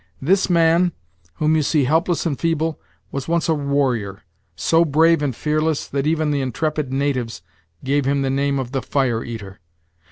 This man, whom you see helpless and feeble, was once a warrior, so brave and fearless, that even the intrepid natives gave him the name of the Fire eater.